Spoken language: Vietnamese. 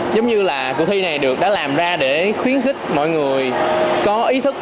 giống như là cuộc thi này được đã làm ra để khuyến khích mọi người có ý thức